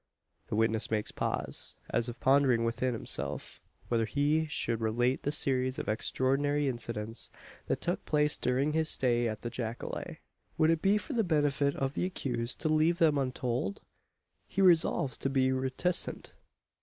The witness makes pause: as if pondering within himself, whether he should relate the series of extraordinary incidents that took place during his stay at the jacale. Would it be for the benefit of the accused to leave them untold? He resolves to be reticent.